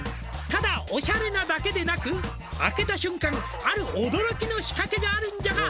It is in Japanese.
「ただオシャレなだけでなく」「開けた瞬間ある驚きの仕掛けがあるんじゃが」